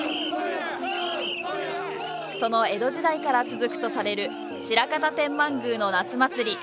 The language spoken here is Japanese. その江戸時代から続くとされる白潟天満宮の夏祭り。